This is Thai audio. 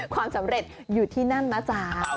ความสำเร็จอยู่ที่นั่นนะจ๊ะ